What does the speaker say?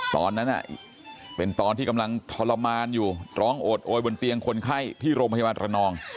ตอนนั้นเป็นตอนที่กำลังทรมานอยู่ร้องโอดโอยบนเตียงคนไข้ที่โรงพยาบาลระนอง